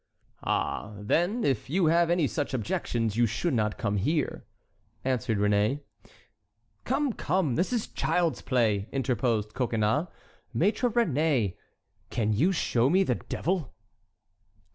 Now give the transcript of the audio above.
"Ah, then, if you have any such objections, you should not come here," answered Réné. "Come, come, this is child's play!" interposed Coconnas. "Maître Réné, can you show me the devil?"